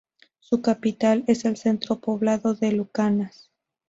Su capital es el centro poblado de Lucanas.